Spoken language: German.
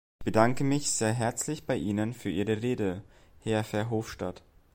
Ich bedanke mich sehr herzlich bei Ihnen für Ihre Rede, Herr Verhofstadt.